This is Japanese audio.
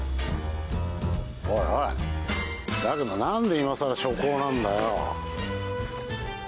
おいおいだけど何でいまさら初稿なんだよ。